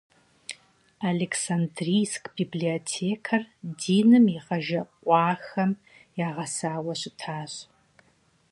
Александрийск библиотекэр диным игъэжэкъуахэм ягъэсауэ щытащ.